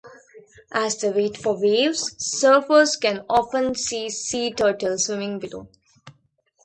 As they wait for waves, surfers can often see sea turtles swimming below.